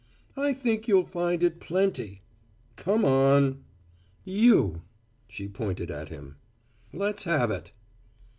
"I think you'll find it plenty!" "Come on!" "You!" She pointed at him. "Let's have it."